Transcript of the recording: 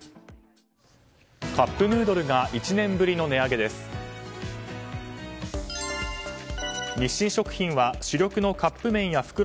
カップヌードルが１年ぶりの値上げです。